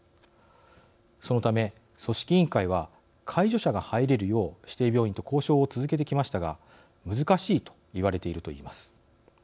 そのため、組織委員会は介助者が入れるよう指定病院と交渉を続けてきましたが難しいと言われているといいます。